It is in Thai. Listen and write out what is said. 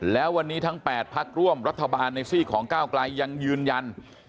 และวันนี้ทั้ง๘ภักดิ์ร่วมรัฐบาลในฟรีของ๙กลายยังยืนยัน